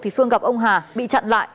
thì phương gặp ông hà bị chặn lại